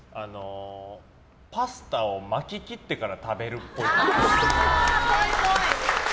パスタを巻ききってから食べるっぽい。